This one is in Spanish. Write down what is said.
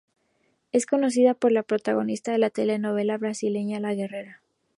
Es conocida por ser la protagonista de la telenovela brasileña "La guerrera".